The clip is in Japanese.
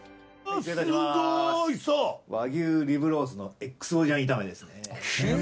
和牛リブロースのＸＯ醤炒めです。